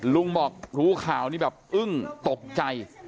ลุงบอกรู้ข่าวนี่แบบอึ้งตกใจ